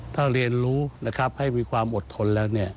ถ้าเรียนรู้ให้มีความอดทนแล้ว